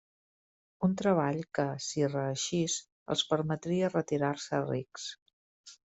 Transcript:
Un treball que, si reeixís, els permetria retirar-se rics.